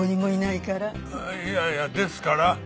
いやいやですから。